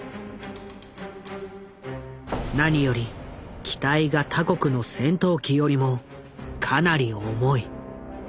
何より機体が他国の戦闘機よりもかなり重い。